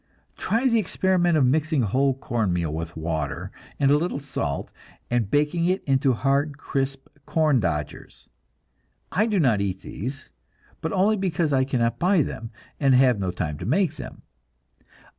Try the experiment of mixing whole corn meal with water and a little salt, and baking it into hard, crisp "corn dodgers." I do not eat these but only because I cannot buy them, and have no time to make them.